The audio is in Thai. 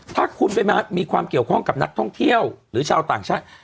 ถ้าคุณไปมามีความเกี่ยวข้องกับนักท่องเที่ยวหรือชาวต่างชาติ